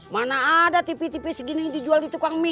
mana ada tipi tipis begini dijual di tukang mie